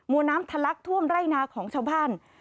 วน้ำทะลักท่วมไร่นาของชาวบ้าน